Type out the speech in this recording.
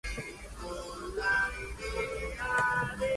Los medios masivos fueron creados para el entretenimiento.